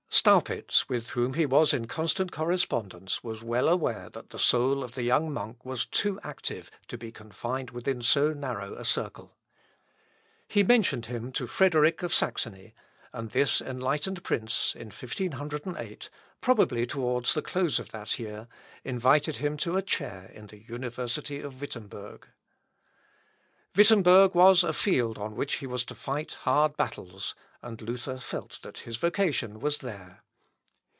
Staupitz, with whom he was in constant correspondence, was well aware that the soul of the young monk was too active to be confined within so narrow a circle. He mentioned him to Frederick of Saxony, and this enlightened prince, in 1508, probably towards the close of the year, invited him to a chair in the university of Wittemberg. Wittemberg was a field on which he was to fight hard battles; and Luther felt that his vocation was there.